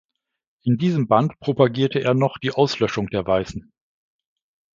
In diesem Band propagierte er noch die Auslöschung der Weißen.